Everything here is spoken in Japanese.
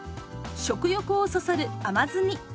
食欲をそそる甘酢煮。